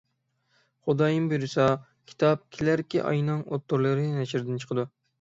خۇدايىم بۇيرۇسا، كىتاب كېلەركى ئاينىڭ ئوتتۇرىلىرى نەشردىن چىقىدۇ.